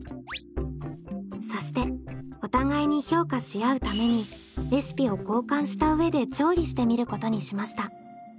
そしてお互いに評価し合うためにレシピを交換した上で調理してみることにしました。